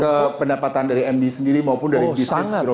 ke pendapatan dari md sendiri maupun dari business growing nya pak